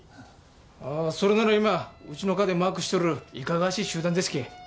ああそれなら今うちの課でマークしとるいかがわしい集団ですけぇ。